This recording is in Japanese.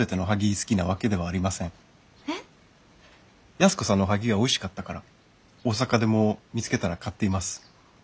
安子さんのおはぎがおいしかったから大阪でも見つけたら買っています。